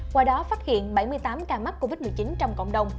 qua đó phát hiện bảy mươi tám ca mắc covid một mươi chín trong cộng đồng